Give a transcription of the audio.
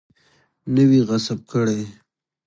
نه وي غصب کړی.